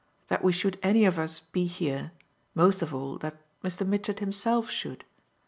That we should any of us be here most of all that Mr. Mitchett himself should.